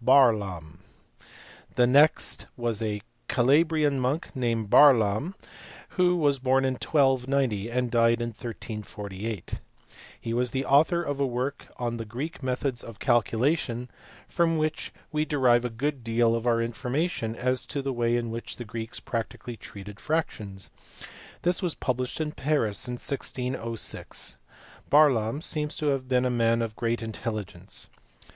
Barlaam. The next was a Calabrian monk named Barlaam, who was born in 1290 and died in 1348. He was the author of a work on the Greek methods of calculation from which we 120 THE BYZANTINE SCHOOL. derive a good deal of our information as to the way in which the Greeks practically treated fractions : this was published in Paris in 1606. Barlaam seems to have been a man of great intelligence.